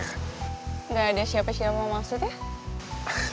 gak ada siapa siapa maksudnya